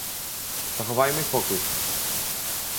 Zachowajmy spokój